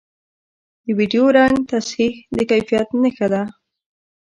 د ویډیو رنګ تصحیح د کیفیت نښه ده